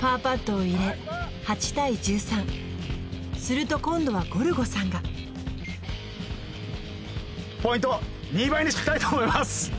パーパットを入れ８対１３すると今度はゴルゴさんがポイント２倍にしたいと思います